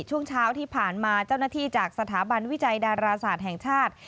ช่วงเช้าที่ผ่านมาเจ้าหน้าที่จากสถาบันวิจัยดาราศาสตร์แห่งชาติ